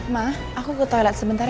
ma aku ke toilet sebentar ya ma